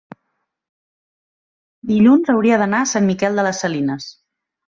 Dilluns hauria d'anar a Sant Miquel de les Salines.